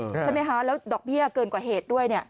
ใช่ไหมคะแล้วดอกเบี้ยเกินกว่าเหตุด้วยเนี่ย